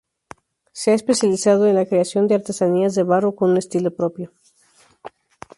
Se ha especializado en la creación de artesanías de barro con un estilo propio.